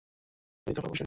ওই কালো পোশাকটা।